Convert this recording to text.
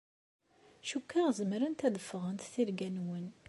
Cukkeɣ zemrent ad ffɣent tirga-nwen.